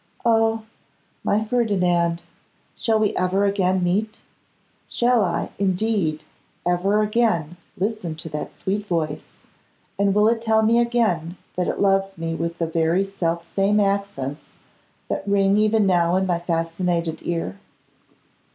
Oh! my Ferdinand, shall we ever again meet? Shall I, indeed, ever again listen to that sweet voice, and will it tell me again that it loves me with the very selfsame accents that ring even now in my fascinated ear?